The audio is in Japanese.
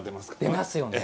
出ますよね。